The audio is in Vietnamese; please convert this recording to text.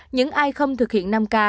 những ai không thực hiện năm ca